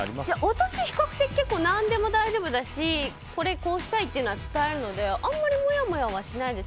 私、比較的何でも大丈夫だしこれこうしたいっていうのは伝えるのであんまりモヤモヤはしないです。